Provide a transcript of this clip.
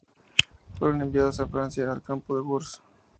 Fueron enviados a Francia, al Campo de Gurs.